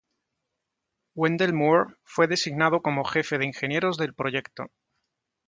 Wendell Moore fue designado como jefe de ingenieros del proyecto.